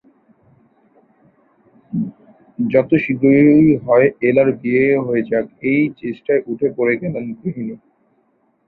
যত শীঘ্র হয় এলার বিয়ে হয়ে যাক এই চেষ্টায় উঠে পড়ে লাগলেন গৃহিণী।